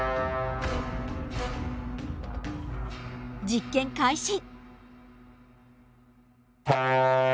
実験開始。